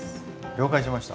了解しました。